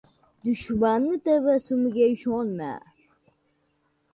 • Dushmanning tabassumiga ishonma.